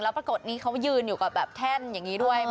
ปรากฏนี้เขายืนอยู่กับแบบแท่นอย่างนี้ด้วย